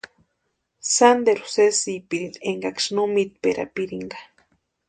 Sánteru sésipirinti eskaksï no mítperapirinka.